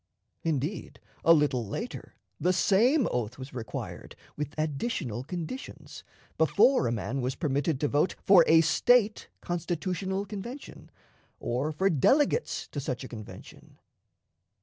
Indeed, a little later, the same oath was required with additional conditions before a man was permitted to vote for a State constitutional convention, or for delegates to such a convention.